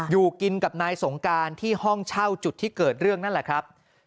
อยู่กินกับนายสงการที่ห้องเช่าจุดที่เกิดเรื่องนั่นแหละครับ